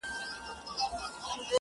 o اوس مي د هغي دنيا ميـر ويـــده دی.